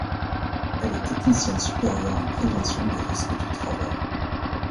Elle est technicienne supérieure en prévention des risques du travail.